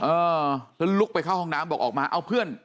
เออแล้วลุกไปเข้าห้องน้ำบอกออกมาเอาเพื่อน